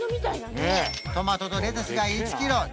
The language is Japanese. トマトとレタスが１キロ